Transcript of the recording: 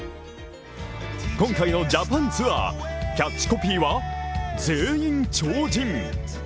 今回のジャパンツアーキャッチコピーは全員、超人。